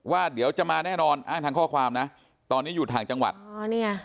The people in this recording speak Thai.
เดี๋ยวจะมาแน่นอนอ้างทางข้อความนะตอนนี้อยู่ทางจังหวัดอ๋อนี่ไง